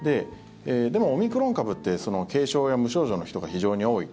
でも、オミクロン株って軽症や無症状の人が非常に多い。